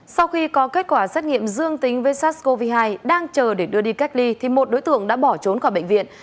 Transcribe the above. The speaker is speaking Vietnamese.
sau khi có kết quả xét nghiệm dương tính với sars cov hai đang chờ để đưa đi cách ly thì một đối tượng đã bỏ trốn khỏi bệnh viện